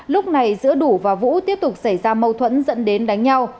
lúc này giữa đủ và vũ tiếp tục xảy ra mâu thuẫn dẫn đến đánh nhau